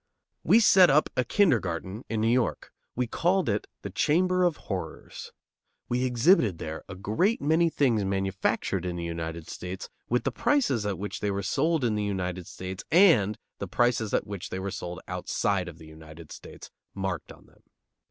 We set up a kindergarten in New York. We called it the Chamber of Horrors. We exhibited there a great many things manufactured in the United States, with the prices at which they were sold in the United States, and the prices at which they were sold outside of the United States, marked on them.